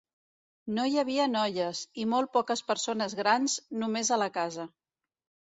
No hi havia noies, i molt poques persones grans, només a la casa.